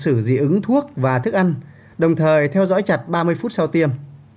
sử dị ứng thuốc và thức ăn đồng thời theo dõi chặt ba mươi phút sau tiêm